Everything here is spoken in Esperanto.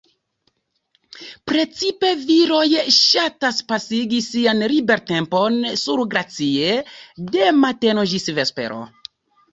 Precipe viroj ŝatas pasigi sian libertempon surglacie, de mateno ĝis vespero.